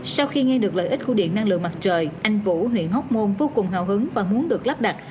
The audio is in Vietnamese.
sau khi nghe được lợi ích của điện năng lượng mặt trời anh vũ huyện hóc môn vô cùng hào hứng và muốn được lắp đặt